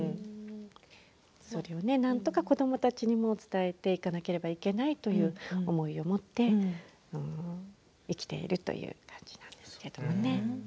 それを、なんとか子どもたちにも伝えていかなければいけないという思いを持って生きているという感じなんですけどね。